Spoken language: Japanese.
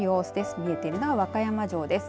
見えているのは和歌山城です。